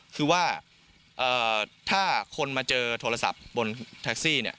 คือว่าถ้าคนมาเจอโทรศัพท์บนแท็กซี่เนี่ย